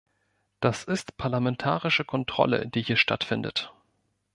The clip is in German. Das ist parlamentarische Kontrolle, die hier stattfindet.